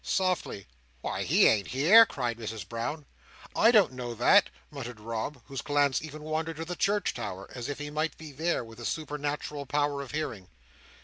"Softly." "Why, he ain't here!" cried Mrs Brown. "I don't know that," muttered Rob, whose glance even wandered to the church tower, as if he might be there, with a supernatural power of hearing.